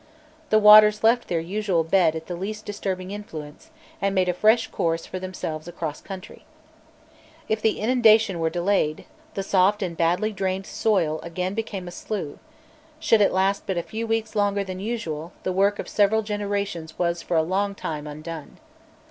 The waters left their usual bed at the least disturbing influence, and made a fresh course for themselves across country. If the inundation were delayed, the soft and badly drained soil again became a slough: should it last but a few weeks longer than usual, the work of several generations was for a long time undone.